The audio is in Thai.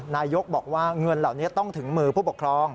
นายกบอกว่าเงินเหล่านี้ต้องถึงมือผู้ปกครอง